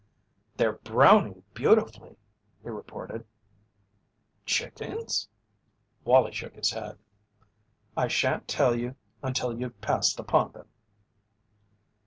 "They're browning beautifully!" he reported. "Chickens?" Wallie shook his head: "I shan't tell you until you've passed upon them."